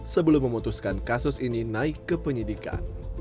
sebelum memutuskan kasus ini naik ke penyidikan